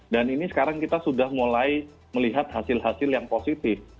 dan ini sekarang kita sudah mulai melihat hasil hasil yang positif